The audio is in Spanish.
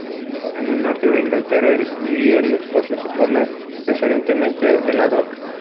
Las autoridades granadinas solicitaron cooperación costarricense en las áreas de agricultura, educación y turismo.